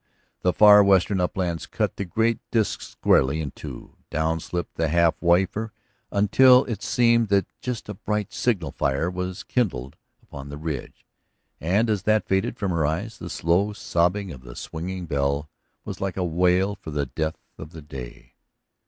The far western uplands cut the great disk squarely in two; down slipped the half wafer until it seemed that just a bright signal fire was kindled upon the ridge. And as that faded from her eyes the slow sobbing of the swinging bell was like a wail for the death of the day.